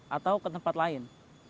atau ke tempat lain